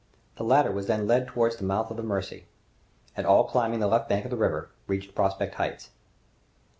The latter was then led towards the mouth of the Mercy, and all climbing the left bank of the river, reached Prospect Heights.